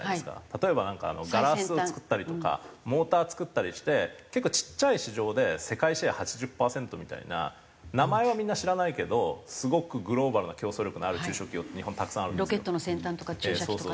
例えばなんかガラスを作ったりとかモーター作ったりして結構ちっちゃい市場で世界シェア８０パーセントみたいな名前はみんな知らないけどすごくグローバルな競争力のある中小企業って日本たくさんあると思うんです。